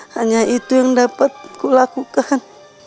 hanya itu yang dapat kulakukan